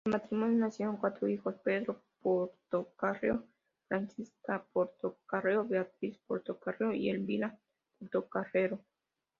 Del matrimonio nacieron cuatro hijos: Pedro Portocarrero, Francisca Portocarrero, Beatriz Portocarrero y Elvira Portocarrero.